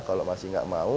kalau masih gak mau